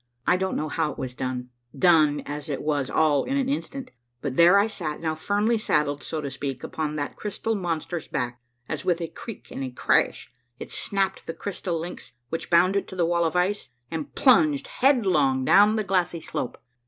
I don't know how it was done, done as it was all in an instant ; but there I sat now firmly saddled, so to speak, upon that crystal monster's back, as with a creak and a crash it snapped the crystal links which bound it to the wall of ice and plunged headlong down the glassy slope.